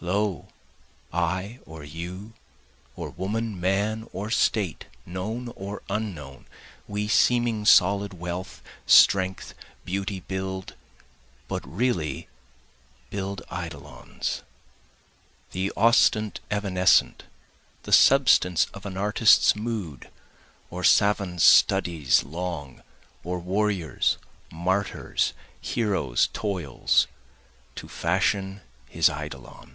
Lo, I or you, Or woman, man, or state, known or unknown, We seeming solid wealth, strength, beauty build, But really build eidolons. The ostent evanescent, The substance of an artist's mood or savan's studies long, Or warrior's, martyr's, hero's toils, To fashion his eidolon.